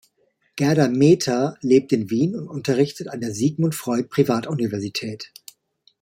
Gerda Mehta lebt in Wien und unterrichtet an der Sigmund Freud Privatuniversität.